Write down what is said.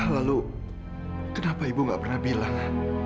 lalu kenapa ibu gak pernah bilang